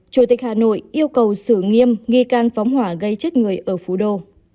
chủ tịch hà nội yêu cầu xử nghiêm nghi can phóng hỏa gây chết người ở phú đô